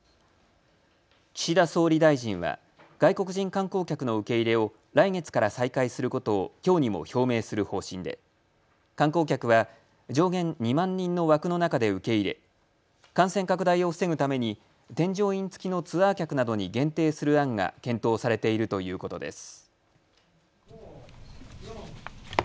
岸田総理大臣は外国人観光客の受け入れを来月から再開することをきょうにも表明する方針で観光客は上限２万人の枠の中で受け入れ感染拡大を防ぐために添乗員付きのツアー客などに限定する案が検討されているということです。